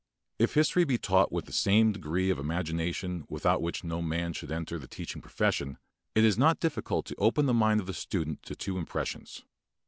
If history be taught with that degree of imagination without which no man should enter the teaching profession, it is not difficult to open the mind of the student to two impressions.